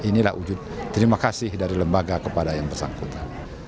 inilah wujud terima kasih dari lembaga kepada yang bersangkutan